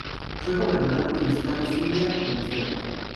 Fue Gobernador del Estado Zulia, Venezuela.